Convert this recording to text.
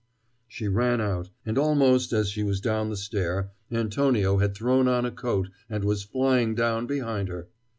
She ran out; and almost as she was down the stair Antonio had thrown on a coat and was flying down behind her.